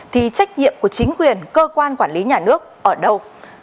thì trách nhiệm của chính quyền cơ quan quản lý nhà nước ở đâu